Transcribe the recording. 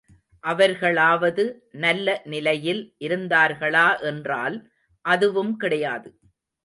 அவர்களாவது, நல்ல நிலையில் இருந்தார்களா என்றால் அதுவும் கிடையாது.